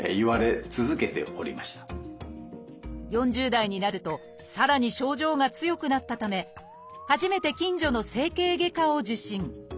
４０代になるとさらに症状が強くなったため初めて近所の整形外科を受診。